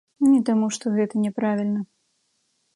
Не таму, што гэта няправільна.